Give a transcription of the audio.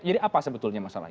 jadi apa sebetulnya masalahnya